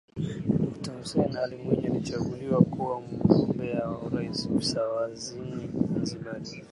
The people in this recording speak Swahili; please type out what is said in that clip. Dokta Hussein Ali Mwinyi alichaguliwa kuwa mgombea wa urais visiwani Zanzibar